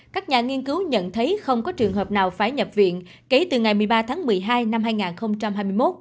các nhà nghiên cứu nhận thấy không có trường hợp nào phải nhập viện kể từ ngày một mươi ba tháng một mươi hai năm hai nghìn hai mươi một